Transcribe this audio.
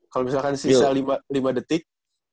kalau misalkan sisa lima detik